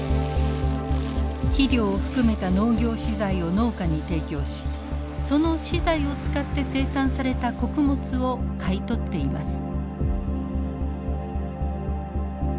肥料を含めた農業資材を農家に提供しその資材を使って生産された穀物を買い取っています。